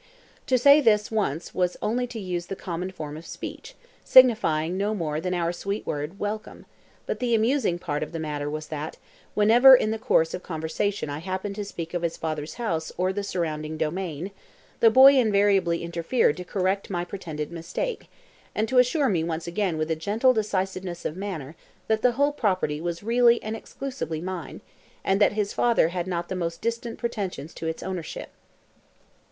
To say this once was only to use the common form of speech, signifying no more than our sweet word "welcome," but the amusing part of the matter was that, whenever in the course of conversation I happened to speak of his father's house or the surrounding domain, the boy invariably interfered to correct my pretended mistake, and to assure me once again with a gentle decisiveness of manner that the whole property was really and exclusively mine, and that his father had not the most distant pretensions to its ownership.